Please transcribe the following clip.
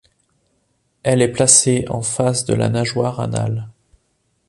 Elle est placée en face de la nageoire anale.